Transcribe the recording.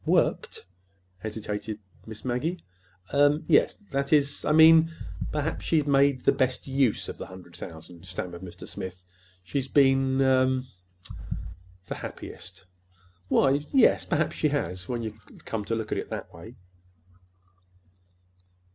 "Worked?" hesitated Miss Maggie. "Er—that is, I mean, perhaps she's made the best use of the hundred thousand," stammered Mr. Smith. "She's been—er—the happiest." "Why, y yes, perhaps she has, when you come to look at it that way."